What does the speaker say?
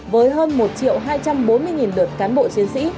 với hơn một hai trăm bốn mươi lượt cán bộ chiến sĩ